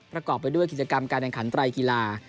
ประกอบไปด้วยกิจกรรมการแข่งขันไตรกีฬา